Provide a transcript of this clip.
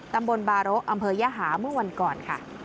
ตำบลบาระอำเภอยหาเมื่อวันก่อนค่ะ